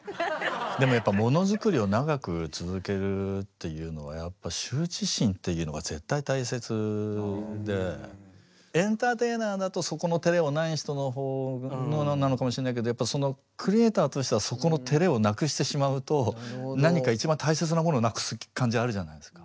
でもやっぱものづくりを長く続けるっていうのはやっぱ羞恥心っていうのが絶対大切でエンターテイナーだとそこの照れはない人の方なのかもしれないけどクリエーターとしてはそこの照れをなくしてしまうと何かいちばん大切なものなくす感じあるじゃないですか。